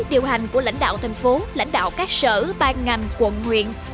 điều hành của lãnh đạo thành phố lãnh đạo các sở ban ngành quận huyện